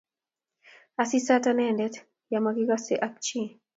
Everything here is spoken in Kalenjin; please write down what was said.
Asisat anende ya makisosie ak chii